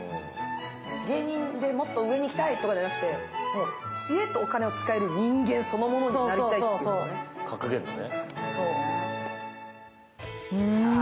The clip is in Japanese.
芸人でもっと上に行きたいとかじゃなくて、もう知恵とお金を使える人間そのものになりたいっていうね。